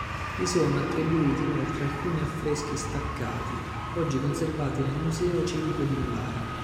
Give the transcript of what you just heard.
Gli sono attribuiti inoltre alcuni affreschi staccati, oggi conservati nel Museo Civico di Novara.